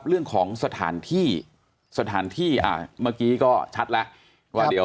เรื่องของสถานที่